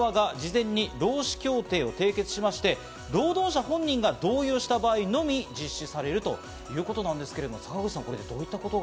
企業側が事前に労使協定を締結しまして、労働者本人が同意をした場合のみ実施されるということなんですけれども坂口さん。